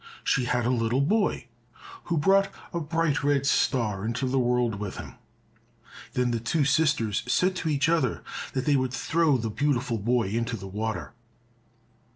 She had a little boy who brought a bright red star into the world with him. Then the two sisters said to each other that they would throw the beautiful boy into the water.